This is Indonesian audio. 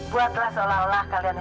buatlah seolah olah kalian itu berdua